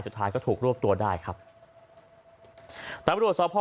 สุดท้ายก็ถูกรวบตัวได้ครับตำรวจสอบพ่อ